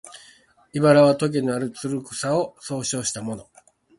「茨」はとげのある、つる草を総称したもの